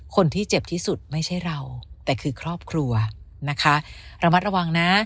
คนที่เจ็บที่สุดไม่ใช่เราแต่คือครอบครัวนะคะระมัดระวังนะ